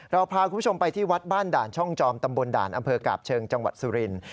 เราพาคุณผู้ชมไปที่วัดบ้านด่านช่องจอมตำบลด่านอำเภอกาบเชิงจังหวัดสุรินทร์